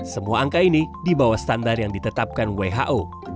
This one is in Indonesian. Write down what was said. semua angka ini di bawah standar yang ditetapkan who